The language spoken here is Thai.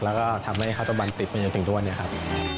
แล้วก็ทำให้ข้าวตะบันติดมันอยู่ถึงตัวนี้ครับ